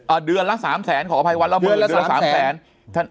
อ่าเดือนละสามแสนขออภัยวันละหมื่นเดือนละสามแสน